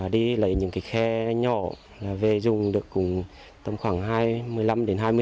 đi lấy những cái khe nhỏ về dùng được cũng tầm khoảng hai mươi năm đến hai mươi hộ